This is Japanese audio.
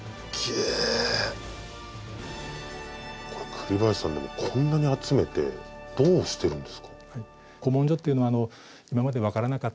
栗林さんでもこんなに集めてどうしてるんですか？